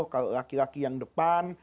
kalau laki laki yang depan